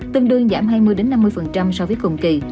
tương đương giảm hai mươi năm mươi so với cùng kỳ